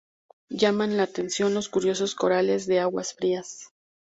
Llaman la atención los curiosos corales de aguas frías.